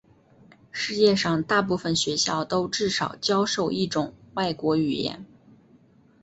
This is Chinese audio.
世界上大部分学校都至少教授一种外国语言。